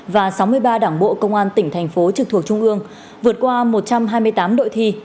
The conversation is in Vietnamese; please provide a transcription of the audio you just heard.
và sáu mươi ba đảng bộ công an tỉnh thành phố trực thuộc trung ương vượt qua một trăm hai mươi tám đội thi